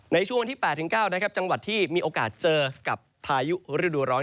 ในช่วงที่๘๙นะครับจังหวัดที่มีโอกาสเจอกับพายุฤดูร้อน